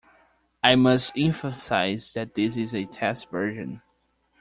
I must emphasize that this is a test version.